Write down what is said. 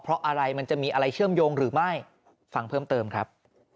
เพราะอะไรมันจะมีอะไรเชื่อมโยงหรือไม่ฟังเพิ่มเติมครับ